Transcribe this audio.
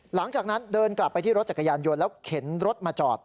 หลังจากนั้นเดินกลับไปที่รถจักรยานยนต์แล้วเข็นรถมาจอด